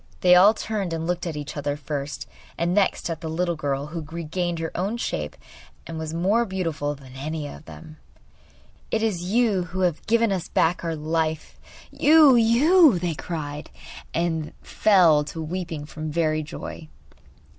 They all turned and looked at each other first, and next at the little fish who had regained her own shape and was more beautiful than any of them. 'It is you who have given us back our life; you, you!' they cried; and fell to weeping from very joy.